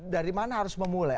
dari mana harus memulai